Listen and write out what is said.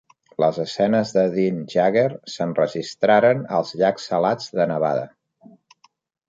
Les escenes de Dean Jagger s'enregistraren als Llacs Salats de Nevada.